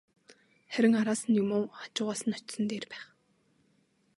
Харин араас нь юм уу, хажуугаас нь очсон нь дээр байх.